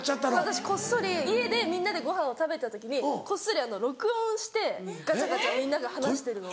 私こっそり家でみんなでご飯を食べた時にこっそり録音してガチャガチャみんなが話してるのを。